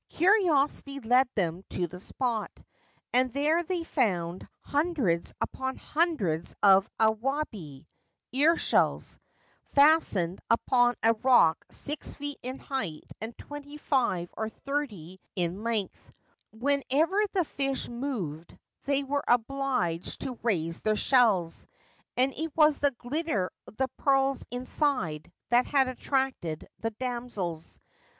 Curiosity led them to the spot, and there they found 343 Ancient Tales and Folklore of Japan hundreds upon hundreds of awabi (ear shells) fastened upon a rock six feet in height and twenty five or thirty in length. Whenever the fish moved they were obliged to raise their shells, and it was the glitter of the pearls inside that had attracted the damsels.